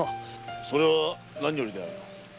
それは何よりである。